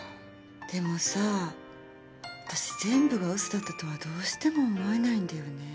でもさ私全部が嘘だったとはどうしても思えないんだよね。